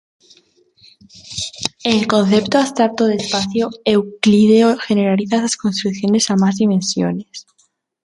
El concepto abstracto de espacio euclídeo generaliza esas construcciones a más dimensiones.